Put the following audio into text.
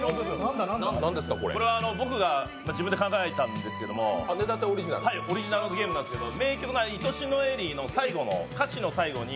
これは僕が自分で考えたんですけどオリジナルゲームなんですけど、名曲の「いとしのエリー」の歌詞の最後に